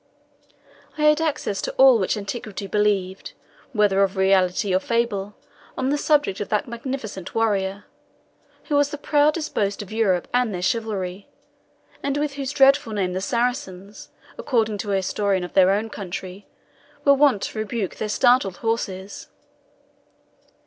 I had access to all which antiquity believed, whether of reality or fable, on the subject of that magnificent warrior, who was the proudest boast of Europe and their chivalry, and with whose dreadful name the Saracens, according to a historian of their own country, were wont to rebuke their startled horses.